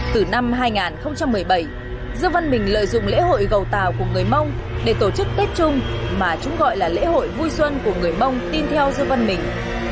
từ năm hai nghìn một mươi bảy dương văn bình lợi dụng lễ hội gầu tàu của người mông để tổ chức tết chung mà chúng gọi là lễ hội vui xuân của người mông tin theo dương văn mình